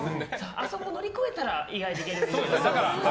あそこを乗り越えたら意外にいけるんですよね。